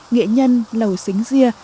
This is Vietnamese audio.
nghệ nhân lầu xính gia